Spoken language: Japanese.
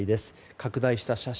拡大した写真。